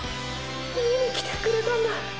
見に来てくれたんだ